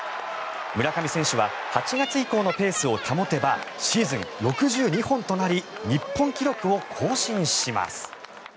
村上選手は８月以降のペースを保てばシーズン６２本となり日本記録を更新します。